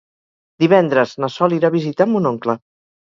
Divendres na Sol irà a visitar mon oncle.